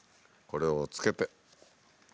これを着けて。